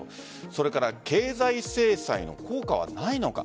それから経済制裁の効果はないのか。